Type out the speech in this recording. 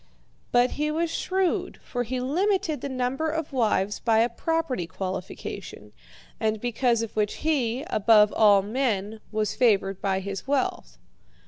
But he was shrewd, for he limited the number of wives by a property qualification, and because of which he, above all men, was favoured by his wealth.